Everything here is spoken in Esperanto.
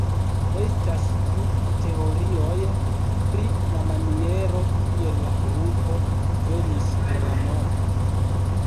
Estas du teorioj pri la maniero, kiel la grupo venis al la nomo.